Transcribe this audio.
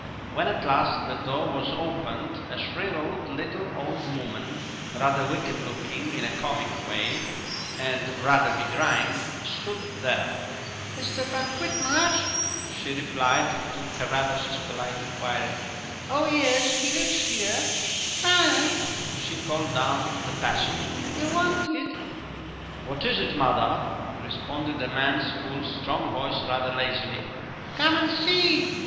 When at last the door was opened a shrivelled little old woman, rather wicked looking in a comic way, and rather begrimed, stood there. "Mr Frank Whitmarsh?" she replied to Carrados's polite inquiry; "oh yes, he lives here. Frank," she called down the passage, "you're wanted." "What is it, mother?" responded a man's full, strong voice rather lazily. "Come and see!"